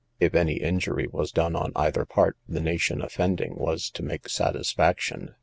If any injury was done on either part, the nation offending was to make satisfaction.